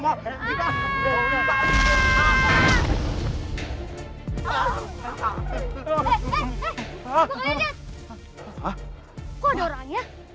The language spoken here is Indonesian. eh eh eh kok ada orangnya